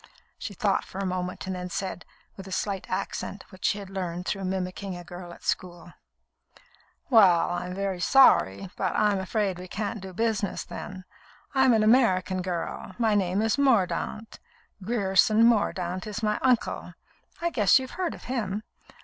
She thought for a moment, and then said, with a slight accent which she had learned through mimicking a girl at school: "Well, I'm very sorry, but I'm afraid we can't do business, then. I'm an American girl; my name is Mordaunt. Grierson Mordaunt is my uncle. I guess you've heard of him.